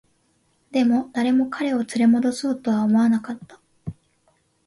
でも、誰も彼を連れ戻そうとは思わなかった